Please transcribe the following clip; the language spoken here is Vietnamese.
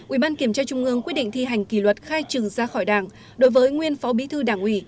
ủy ban kiểm tra trung ương quyết định thi hành kỷ luật khai trừ ra khỏi đảng đối với nguyên phó bí thư đảng ủy